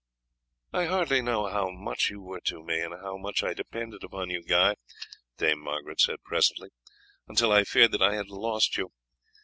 "I hardly knew how much you were to me and how much I depended upon you, Guy," Dame Margaret said presently, "until I feared that I had lost you.